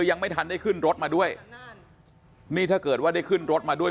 ยังไม่ทันได้ขึ้นรถมาด้วยนี่ถ้าเกิดว่าได้ขึ้นรถมาด้วย